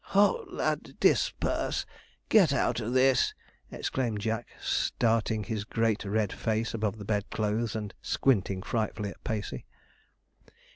'Hout, lad, disperse! get out of this!' exclaimed Jack, starting his great red face above the bedclothes and squinting frightfully at Pacey.